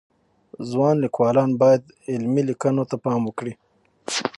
ځوان لیکوالان باید علمی لیکنو ته پام وکړي